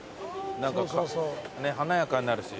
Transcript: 何か華やかになるし。